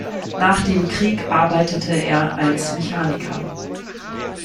Nach dem Krieg arbeitete er als Mechaniker.